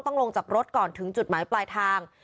ลงจากรถก่อนถึงจุดหมายปลายทาง